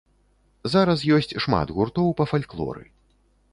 Зараз ёсць шмат гуртоў па фальклоры.